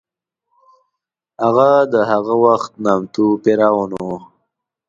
هغه د هغه وخت نامتو فرعون و.